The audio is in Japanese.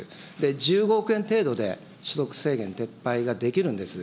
１５億円程度で所得制限撤廃ができるんです。